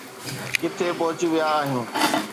ڪٿي پهچي ويا آهيو؟